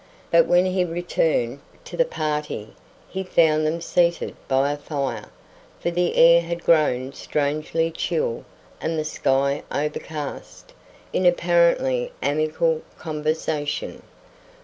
But when he returned to the party, he found them seated by a fire for the air had grown strangely chill and the sky overcast in apparently amicable conversation.